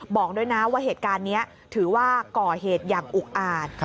บอกด้วยนะว่าเหตุการณ์นี้ถือว่าก่อเหตุอย่างอุกอาจ